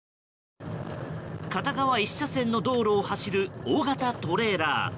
片側１車線の道路を走る大型トレーラー。